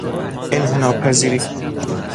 انحناپذیری